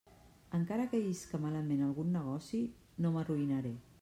Encara que isca malament algun negoci, no m'arruïnaré.